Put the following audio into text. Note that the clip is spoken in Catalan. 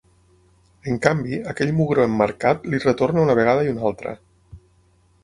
En canvi, aquell mugró emmarcat li retorna una vegada i una altra.